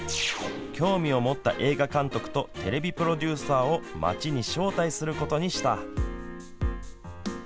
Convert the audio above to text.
興味を持った映画監督とテレビプロデューサーを町に招待することにした。